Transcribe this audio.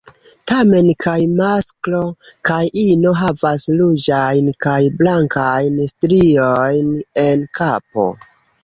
Tamen kaj masklo kaj ino havas ruĝajn kaj blankajn striojn en kapo.